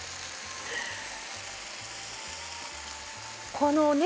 このね